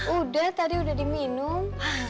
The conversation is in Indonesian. udah tadi udah diminum